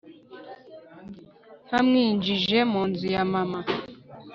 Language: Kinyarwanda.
ntamwinjije mu nzu ya mama